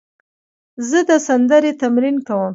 زه د سندرې تمرین کوم.